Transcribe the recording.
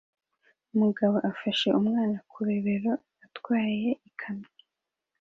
Umugabo afashe umwana ku bibero atwaye ikamyo